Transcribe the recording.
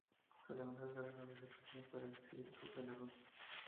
Los ganadores rara vez se presentan para recibir su galardón.